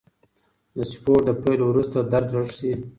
د سپورت د پیل وروسته درد لږ شي.